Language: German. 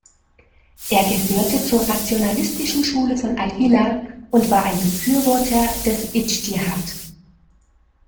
Er gehörte zur rationalistischen Schule von al-Hilla und war ein Befürworter des Idschtihād.